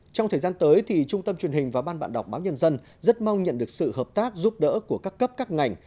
trong thời gian tới trung tâm truyền hình và ban bạn đọc báo nhân dân rất mong nhận được sự hợp tác giúp đỡ của các cấp các ngành